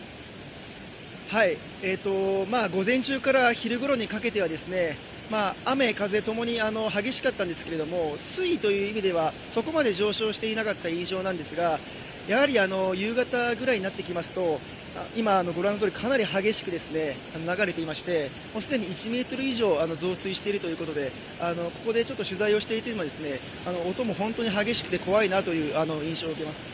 午前中から昼頃にかけては雨風ともに激しかったんですけど、水位という意味では、そこまで上昇していなかった印象なんですが、やはり夕方くらいになってきますと今ご覧のとおり、かなり激しく流れていまして既に１ｍ以上増水しているということでここで取材をしていても、音も本当に激しくて怖いなという印象を受けます。